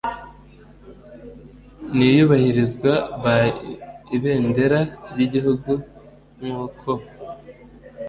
n iyubahirizwa by Ibendera ry Igihugu nk uko